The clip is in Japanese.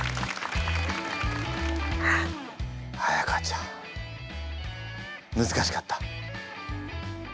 彩歌ちゃん難しかった？